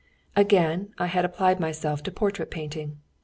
] Again I had applied myself to portrait painting.